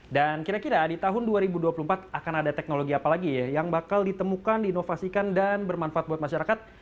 dan kira kira di tahun dua ribu dua puluh empat akan ada teknologi apa lagi yang bakal ditemukan diinovasikan dan bermanfaat buat masyarakat